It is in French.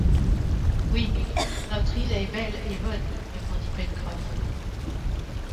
Oui, notre île est belle et bonne, répondit Pencroff